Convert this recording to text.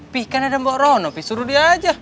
pi kan ada mbok rono pi suruh dia aja